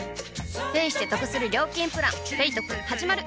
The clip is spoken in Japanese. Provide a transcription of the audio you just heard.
ペイしてトクする料金プラン「ペイトク」始まる！